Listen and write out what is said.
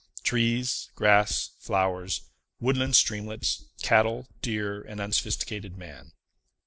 Trees, grass, flowers, woodland streamlets, cattle, deer, and unsophisticated man.